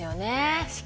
確かに。